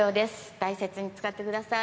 大切に使ってください。